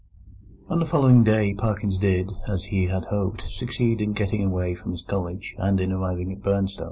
On the following day Parkins did, as he had hoped, succeed in getting away from his college, and in arriving at Burnstow.